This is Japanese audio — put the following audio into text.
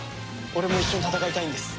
俺も一緒に戦いたいんです。